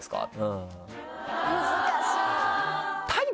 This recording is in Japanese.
難しい！